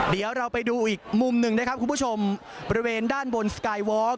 เดี๋ยวเราไปดูอีกมุมหนึ่งนะครับคุณผู้ชมบริเวณด้านบนสกายวอล์ก